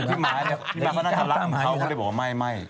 ดาวิกาตามใหม่คนเลยบอกว่าไม่